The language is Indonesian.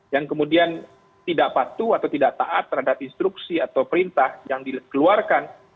yang kemudian tidak patuh atau tidak taat terhadap instruksi atau perintah yang dikeluarkan